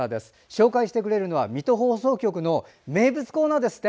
紹介してくれるのは水戸放送局の名物コーナーですって？